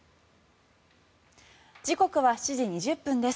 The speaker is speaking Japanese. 時刻は７時２０分です。